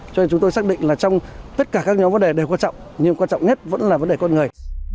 cho nên chúng tôi xác định là trong tất cả các nhóm vấn đề đều quan trọng nhưng quan trọng nhất vẫn là vấn đề con người